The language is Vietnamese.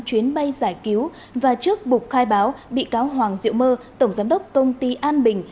chuyến bay giải cứu và trước bục khai báo bị cáo hoàng diệu mơ tổng giám đốc công ty an bình